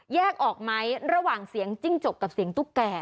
แยกออกไหมระหว่างเสียงจิ้งจกกับเสียงตุ๊กแก่